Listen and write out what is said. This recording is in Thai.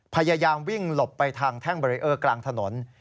พยายามวิ่งหลบไปทางแท่งเบรีเออร์กลางถนน